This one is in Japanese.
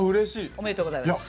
おめでとうございます。